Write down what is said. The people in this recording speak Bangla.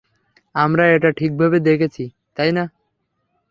আমরা এটা ঠিকভাবে দেখেছি, তাই না?